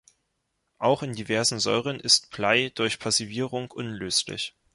Auch in diversen Säuren ist Blei durch Passivierung unlöslich.